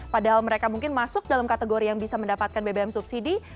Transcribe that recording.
padahal mereka mungkin masuk dalam kategori yang bisa mendapatkan bbm subsidi